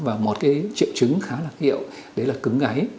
và một cái triệu chứng khá là hiệu đấy là cứng gáy